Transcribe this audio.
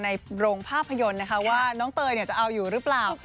ในโรงภาพยนตร์นะคะว่าน้องเตยจะเอาอยู่หรือเปล่า